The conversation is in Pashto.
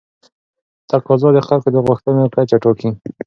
تقاضا د خلکو د غوښتنو کچه ټاکي.